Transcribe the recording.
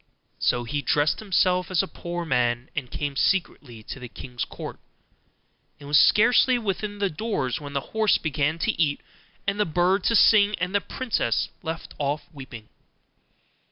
So he dressed himself as a poor man, and came secretly to the king's court, and was scarcely within the doors when the horse began to eat, and the bird to sing, and the princess left off weeping.